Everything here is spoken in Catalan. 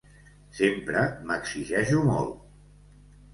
Sempre m'exigeixo molt.